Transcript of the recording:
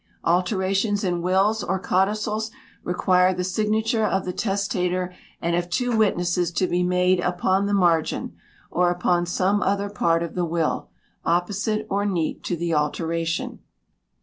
Alterations in Wills or Codicils require the signature of the testator and of two witnesses to be made upon the margin, or upon some other part of the will, opposite or neat to the alteration.